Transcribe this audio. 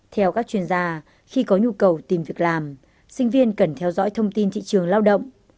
theo các chuyên gia khi có nhu cầu tìm việc làm sinh viên cần theo dõi thông tin thị trường lao động